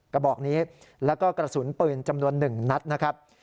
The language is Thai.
กระบอกนี้แล้วก็กระสุนปืนจำนวน๑นัดนะครับ